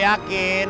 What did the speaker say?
tapi gua yakin